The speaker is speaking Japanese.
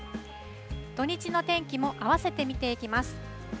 土日の天気も合わせて見ていきます。